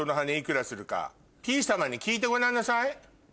ピーさまに聞いてごらんなさい。